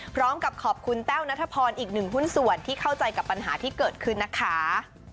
พร้อมกับขอบคุณแต้วนัทพรอีกหนึ่งหุ้นส่วนที่เข้าใจกับปัญหาที่เกิดขึ้นนะคะ